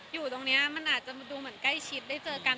อยู่ตรงนี้มันอาจจะดูเหมือนใกล้ชิดได้เจอกัน